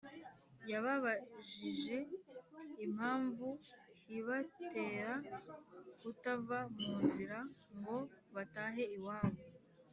yababajije impamvu ibatera kutava mu nzira ngo batahe iwabo